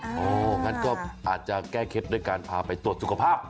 งั้นก็อาจจะแก้เคล็ดด้วยการพาไปตรวจสุขภาพ